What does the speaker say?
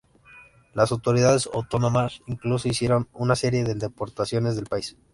Las autoridades otomanas incluso hicieron una serie de deportaciones del país.